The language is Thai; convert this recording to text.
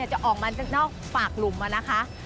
จะออกมานอกปากหลุมนะคะ